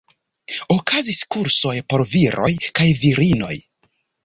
Okazis kursoj por viroj kaj virinoj.